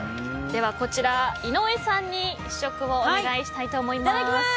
こちら、井上さんに試食をお願いしたいと思います。